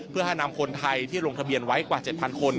เพื่อให้นำคนไทยที่ลงทะเบียนไว้กว่า๗๐๐คน